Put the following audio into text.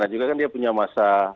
juga kan dia punya masa